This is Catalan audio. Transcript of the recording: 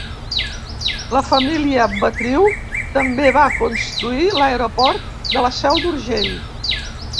La família Betriu també va construir l'aeroport de la Seu d'Urgell.